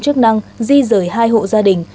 chức năng di rời hai hộ gia đình